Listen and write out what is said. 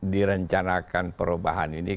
direncanakan perubahan ini